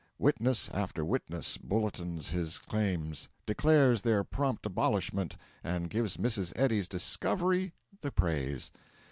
Witness after witness bulletins his claims, declares their prompt abolishment, and gives Mrs. Eddy's Discovery the praise.